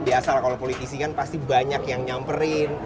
biasa lah kalau politisi kan pasti banyak yang nyamperin